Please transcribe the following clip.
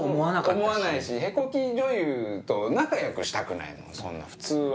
思わないし屁こき女優と仲良くしたくないもんそんな普通は。